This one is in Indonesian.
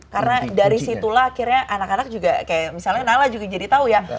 karena dari situlah akhirnya anak anak juga kayak misalnya nala juga jadi tau ya